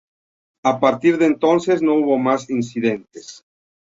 A partir de entonces, no hubo más incidentes.